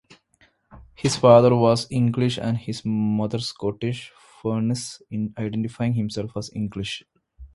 His father was English and his mother Scottish, Furniss identifying himself as English.